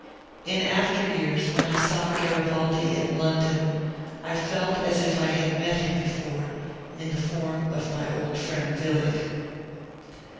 In after years when I saw Garibaldi in London, I felt as if I had met him before in the form of my old friend Willich.